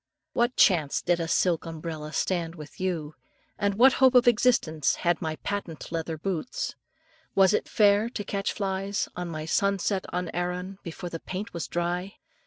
What chance did a silk umbrella stand with you? What hope of existence had my patent leather boots? Was it fair to catch flies on my "Sunset on Arran" before the paint was dry?